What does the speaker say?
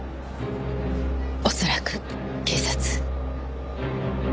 恐らく警察。